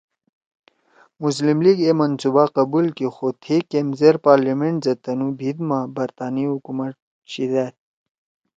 مسلم لیگ اے منصوبہ قبول کی خو تھیئے کیمزیر پارلمینٹ زید تنُو بھیِت ما برطانی حکومت شیِدأد